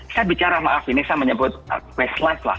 saya bicara maaf ini saya menyebut westlife lah